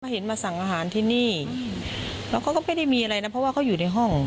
เห็นมาสั่งอาหารที่นี่แล้วเขาก็ไม่ได้มีอะไรนะเพราะว่าเขาอยู่ในห้อง